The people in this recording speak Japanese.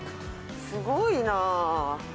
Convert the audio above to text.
すごいなぁ。